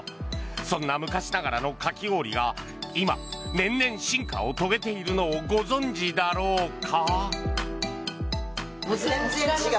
そんな昔ながらのかき氷が今、年々進化を遂げているのをご存じだろうか？